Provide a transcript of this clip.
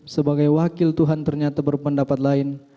sebagai wakil tuhan ternyata berpendapat lain